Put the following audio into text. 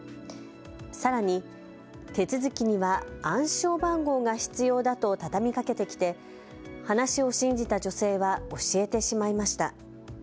さらに、手続きには暗証番号が必要だと畳みかけてきて、話を信じた女性は教えてしまいました。